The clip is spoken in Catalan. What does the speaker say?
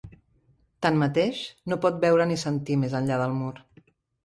Tanmateix, no pot veure ni sentir més enllà del mur.